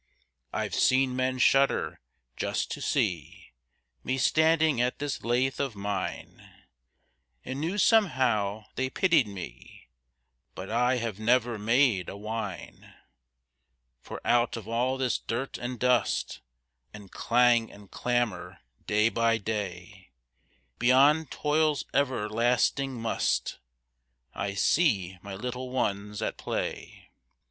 I've seen men shudder just to see Me standing at this lathe of mine, And knew somehow they pitied me, But I have never made a whine; For out of all this dirt and dust And clang and clamor day by day, Beyond toil's everlasting "must," I see my little ones at play.